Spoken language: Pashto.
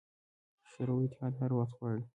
شوروي اتحاد هر وخت غواړي.